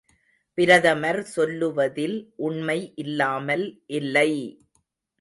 பிரதமர் சொல்லுவதில் உண்மை இல்லாமல் இல்லை!